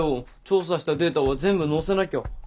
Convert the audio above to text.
調査したデータは全部載せなきゃ。